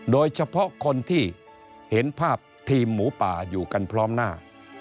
โดยเฉพาะคนที่เห็นภาพทีมหมูป่าอยู่กันพร้อมหน้า